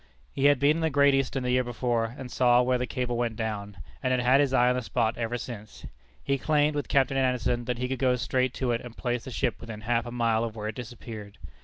He had been in the Great Eastern the year before, and saw where the cable went down, and had had his eye on the spot ever since. He claimed, with Captain Anderson, that he could go straight to it and place the ship within half a mile of where it disappeared.